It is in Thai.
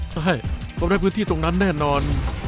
ใช่ต้องได้พื้นที่ตรงนั้นแน่นอน